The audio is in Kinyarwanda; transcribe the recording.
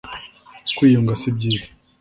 kwiyunga si byiza